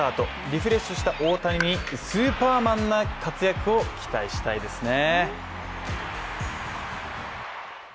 リフレッシュした大谷にスーパーマンな活躍を期待したいですね。